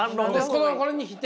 これに否定？